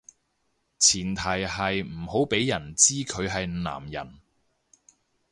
前提係唔好畀人知佢係男人